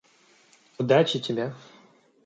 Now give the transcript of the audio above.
Удачи тебе!